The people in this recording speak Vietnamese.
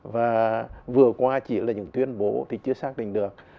và vừa qua chỉ là những tuyên bố thì chưa xác định được